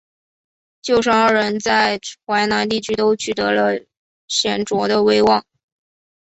舅甥二人在淮南地区都取得了显着的威望。